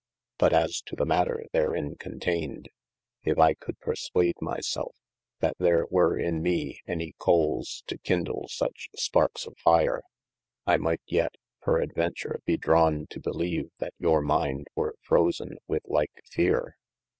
But as to the matter therin conteyned: if I could perswade my selfe, that there were in mee any coales to kyndle suche sparkes of fire, I might yet peradventure bee drawn to beleve that your minde were frosen with like feare.